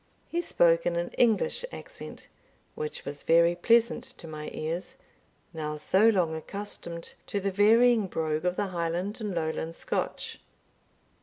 He spoke in an English accent, which was very pleasant to my ears, now so long accustomed to the varying brogue of the Highland and Lowland Scotch.